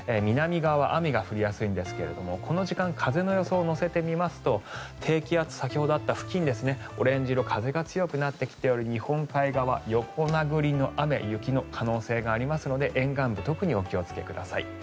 南側、雨が降りやすいんですが風の予想を乗せてみますと低気圧、先ほどあった付近オレンジ色風が強くなってきている日本海側、横殴りの雨雪の可能性がありますので沿岸部特にお気をつけください。